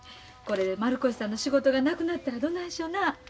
これで丸越さんの仕事がなくなったらどないしよな。